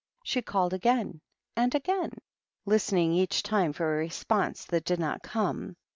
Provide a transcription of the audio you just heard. She called again and again, listening each time for a response that did not come.